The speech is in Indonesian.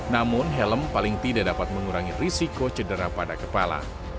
namun helm paling tidak dapat mengurangi risiko cedera pada kepala